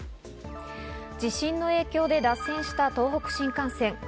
地震の影響で脱線した東北新幹線。